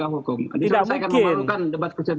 ini adalah penolakan keputusan lembaga hukum